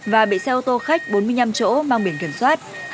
và bị xe ô tô khách bốn mươi năm chỗ mang biển kiểm soát